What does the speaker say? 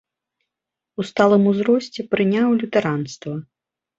У сталым узросце прыняў лютэранства.